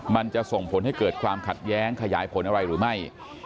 มันจะส่งผลให้เกิดความขัดแย้งขยายผลอะไรหรือไม่